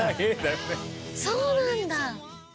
そうなんだ！